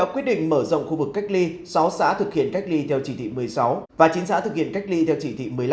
sáu xã thực hiện cách ly theo chỉ thị một mươi sáu và chín xã thực hiện cách ly theo chỉ thị một mươi năm